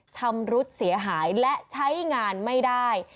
ชำรุดเสียหายและใช้งานไม่ได้